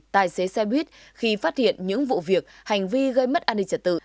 tài xế xe buýt khi phát hiện những vụ việc hành vi gây mất an ninh trật tự